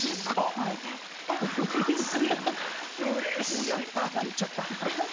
もうやった！って言っちゃった。